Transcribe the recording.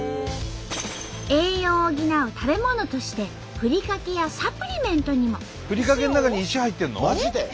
栄養を補う食べ物としてふりかけやサプリメントにも。